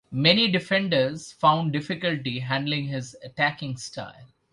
Many defenders found difficulty handling his attacking style.